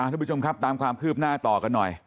ทุกผู้ชมครับตามความคืบหน้าต่อกันหน่อย